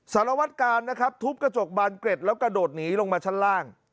สารวัตกาลนะครับทุบกระจกบานเกร็ดแล้วกระโดดหนีลงมาชั้นล่าง